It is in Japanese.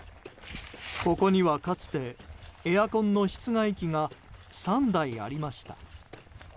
ここには、かつてエアコンの室外機が３台ありました。